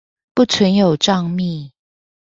不存有帳密